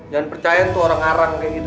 jangan percaya tuh orang arang kayak gitu